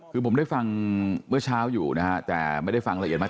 คือผมได้ฟังเมื่อเช้าอยู่นะฮะแต่ไม่ได้ฟังละเอียดมาก